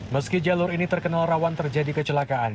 meski jalur ini terkenal rawan terjadi kecelakaan